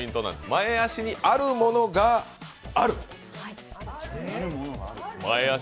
前足にあるものがある。